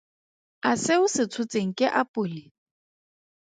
A se o se tshotseng ke apole?